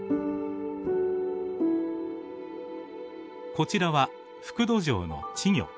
こちらはフクドジョウの稚魚。